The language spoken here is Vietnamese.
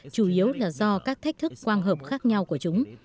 chủ yếu là do các thách thức quang hợp khác nhau của chúng